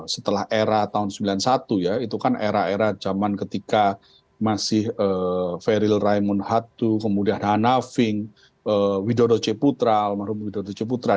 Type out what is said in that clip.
setelah era tahun sembilan puluh satu ya itu kan era era zaman ketika masih feryl raimunhatu kemudian hanafing widodo c putral